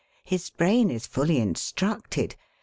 His brain is fully instructed.